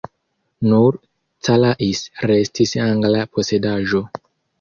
Nur Calais restis angla posedaĵo.